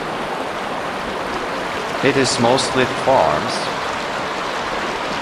It is mostly farms.